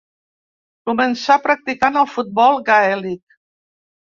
Començà practicant el futbol gaèlic.